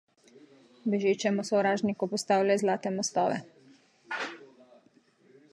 Bežečemu sovražniku postavljaj zlate mostove.